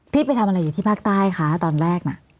ไปทำอะไรอยู่ที่ภาคใต้คะตอนแรกน่ะ